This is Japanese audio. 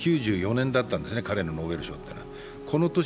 考えてみると、１９９４年だったんですね、彼のノーベル賞は。